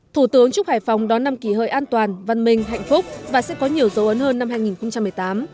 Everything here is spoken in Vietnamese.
thủ tướng chúc hải phòng đón năm kỳ hợi an toàn văn minh hạnh phúc và sẽ có nhiều dấu ấn hơn năm hai nghìn một mươi tám